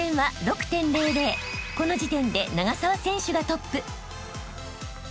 ［この時点で長沢選手がトップ］